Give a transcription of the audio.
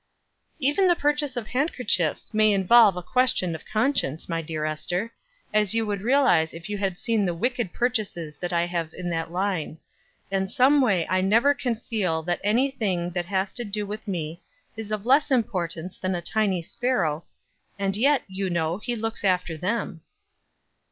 "Even the purchase of handkerchiefs may involve a question of conscience, my dear Ester, as you would realize if you had seen the wicked purchases that I have in that line; and some way I never can feel that any thing that has to do with me is of less importance than a tiny sparrow, and yet, you know, He looks after them."